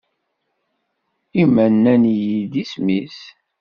I ma nnan-iyi-d Isem-is?